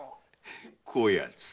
こやつ。